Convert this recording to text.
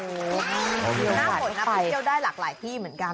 น่าหมดน้ำพริเชียวได้หลากหลายที่เหมือนกัน